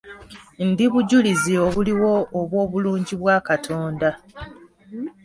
Ndi bujulizi obuliwo obw'obulungi bwa Katonda.